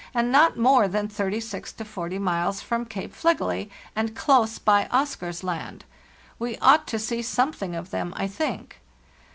and. not more than 36 to 4o miles from Cape Fligely, and close by Oscar's Land. We ought to see something of them, I think.